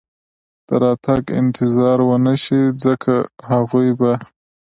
د راتګ انتظار و نه شي، ځکه هغوی به.